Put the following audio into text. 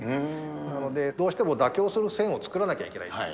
なので、どうしても妥協する線を作らなきゃいけない。